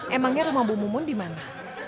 emangnya rumah bu mumun dimana